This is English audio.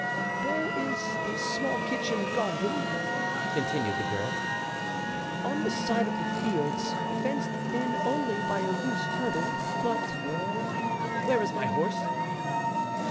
"There is a small kitchen garden," continued the girl, "on the side of the fields, fenced in only by a loose hurdle, but——" "Where is my horse?"